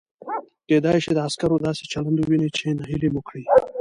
کېدای شي د عسکرو داسې چلند ووینئ چې نهیلي مو کړي.